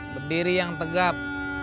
berdiri yang tegap